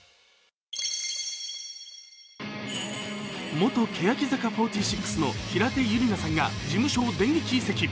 元欅坂４６の平手友梨奈さんが事務所を電撃移籍。